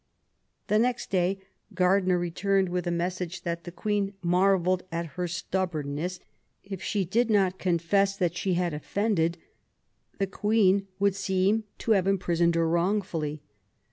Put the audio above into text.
The next day Gardiner returned with a message that the Queen marvelled at her stubbornness : if she did not confess that she had offended, the Queen would seem to have imprisoned her wrongfully.